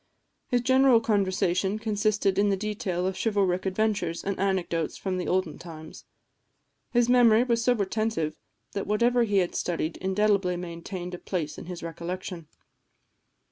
His general conversation consisted in the detail of chivalric adventures and anecdotes of the olden times. His memory was so retentive that whatever he had studied indelibly maintained a place in his recollection.